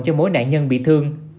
cho mỗi nạn nhân bị thương